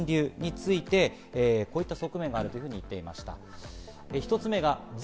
３つの人流について、こういった側面があると言っていました。